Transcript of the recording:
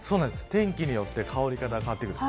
天気によって香り方が変わってくる。